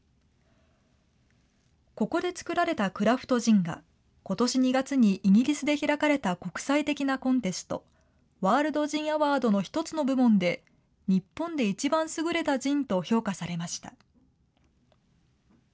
ここで造られたクラフトジンが、ことし２月にイギリスで開かれた国際的なコンテスト、ワールド・ジン・アワードの１つの部門で、日本で一番すぐれたジンと評価されました。